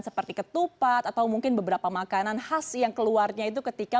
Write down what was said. seperti ketupat atau mungkin beberapa makanan khas yang keluarnya itu ketika